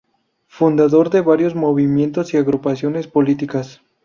Fundador de varios movimientos y agrupaciones políticas.